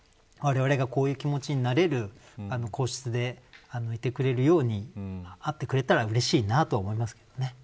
われわれがこういう気持ちになれる皇室でいてくれるようにあってくれたらうれしいなと思いますけどね。